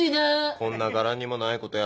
こんな柄にもないことやったのに。